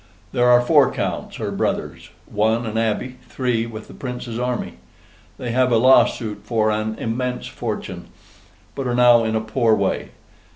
There are four Counts her brothers. One an Abbey three with the Prince's army. They have a lawsuit for AN IMMENCE FORTUNE: but are now in a PORE WAY.